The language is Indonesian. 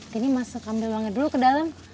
tini masuk ambil banget dulu ke dalam